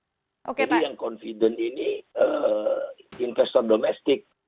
jadi yang confident ini investor domestik